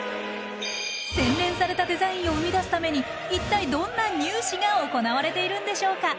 洗練されたデザインを生み出すために一体どんなニュー試が行われているんでしょうか？